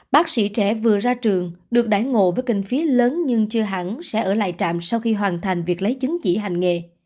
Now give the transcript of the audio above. bác sĩ trẻ vừa ra trường được đại ngộ với kinh phí lớn nhưng chưa hẳn sẽ ở lại trạm sau khi hoàn thành việc lấy chứng chỉ hành nghề